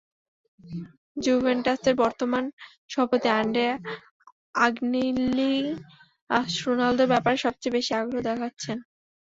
জুভেন্টাসের বর্তমান সভাপতি আন্দ্রেয়া আগনেল্লিই রোনালদোর ব্যাপারে সবচেয়ে বেশি আগ্রহ দেখাচ্ছেন।